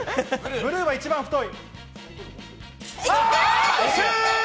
ブルーが一番太い。